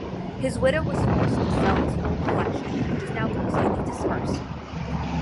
His widow was forced to sell his whole collection, which is now completely dispersed.